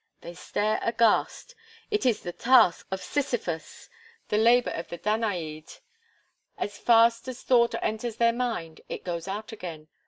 They stare aghast: it is the task of Sisyphus the labour of the Danaide; as fast as thought enters their mind, it goes out again.